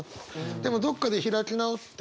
でもどっかで開き直って。